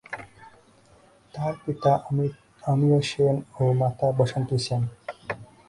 তার পিতা অমিয় সেন ও মাতা বাসন্তী সেন।